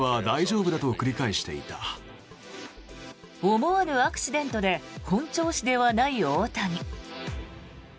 思わぬアクシデントで本調子ではない大谷。